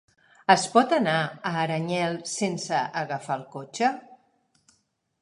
Es pot anar a Aranyel sense agafar el cotxe?